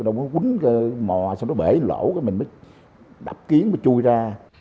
đâu có quýnh mò xong nó bể lỗ mình mới đập kiến mới chui ra